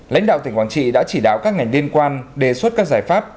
lãnh đạo tỉnh quảng trị đã chỉ đạo các ngành liên quan đề xuất các giải pháp